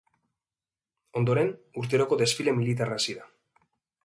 Ondoren, urteroko desfile militarra hasi da.